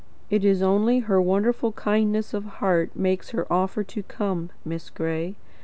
"It is only her wonderful kindness of heart makes her offer to come, Miss Gray.